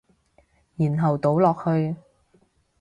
然後倒落去